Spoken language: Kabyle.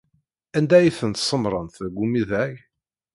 Anda ay ten-tsemmṛemt deg umidag?